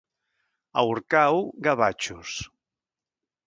A Orcau, gavatxos.